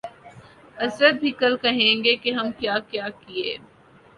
حضرت بھی کل کہیں گے کہ ہم کیا کیا کیے